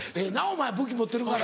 前武器持ってるから。